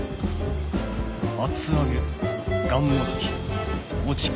厚揚げがんもどき餅巾着